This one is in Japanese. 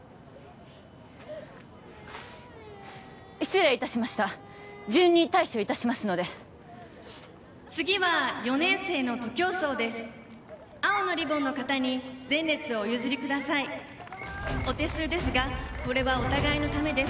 失礼いたしました順に対処いたしますので次は４年生の徒競走です青のリボンの方に前列をお譲りくださいお手数ですがこれはお互いのためです